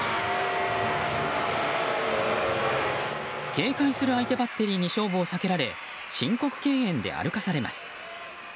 警戒する相手バッテリーに勝負を避けられ申告敬遠で歩かされます。